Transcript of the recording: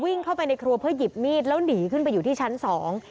เข้าไปในครัวเพื่อหยิบมีดแล้วหนีขึ้นไปอยู่ที่ชั้นสอง